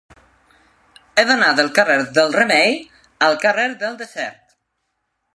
He d'anar del carrer del Remei al carrer del Desert.